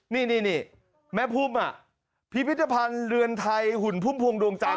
นี่นี่นี่แม่ภูมิอ่ะพูดพิทธภัณฑ์เรือนไทยหุ่นพุ่มพวงดวงจันทร์